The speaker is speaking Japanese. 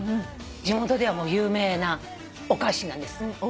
地元では有名なお菓子なんです。